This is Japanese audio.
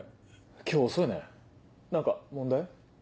今日遅いね何か問題？